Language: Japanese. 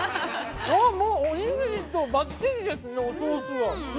おにぎりとばっちりですねおソースが。